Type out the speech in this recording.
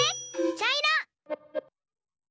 ちゃいろ！